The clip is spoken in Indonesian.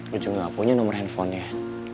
gua juga gak punya nomor handphonenya